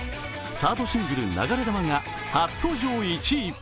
サードシングル「流れ弾」が初登場１位。